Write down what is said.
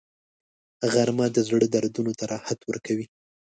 غرمه د زړه دردونو ته راحت ورکوي